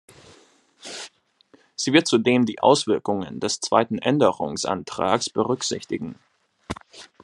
Sie wird zudem die Auswirkungen des zweiten Änderungsantrags berücksichtigen.